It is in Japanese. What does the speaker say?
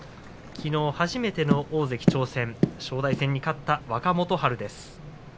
きのう初めての大関挑戦正代戦に勝った若元春です。